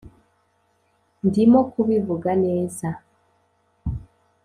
ndimo kubivuga neza?